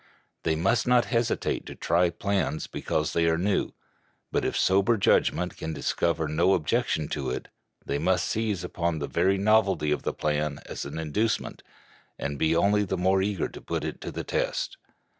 They must not hesitate to try plans because they are new; but if sober judgment can discover no objection to it, they must seize upon the very novelty of the plan as an inducement, and be only the more eager to put it to the test.